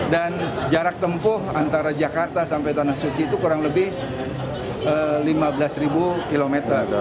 dan jarak tempuh antara jakarta sampai tanah suci itu kurang lebih lima belas km